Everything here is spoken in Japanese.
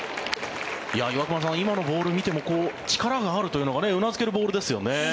岩隈さん、今のボールを見ても力があるというのがうなずけるボールですよね。